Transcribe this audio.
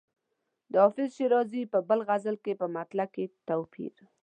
د حافظ شیرازي په بل غزل کې په مطلع کې توپیر.